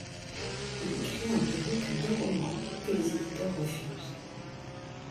Il y écrit en perruque deux romans que les éditeurs refusent.